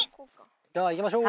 では行きましょう！